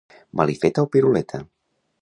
Malifeta o piruleta.